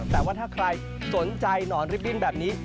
แต่ว่าถ้าใครสนใจหนอนริบบิ้นแบบนี้